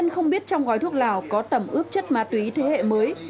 không biết trong gói thuốc lào có tầm ướp chất ma túy thế hệ mới